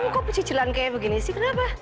kok pencicilan kayak begini sih kenapa